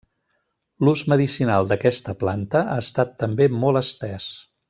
L'ús medicinal d'aquesta planta ha estat també molt estès.